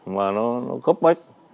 mà nó góp bách